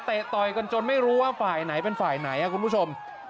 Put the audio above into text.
ต่อยกันจนไม่รู้ว่าฝ่ายไหนเป็นฝ่ายไหนคุณผู้ชม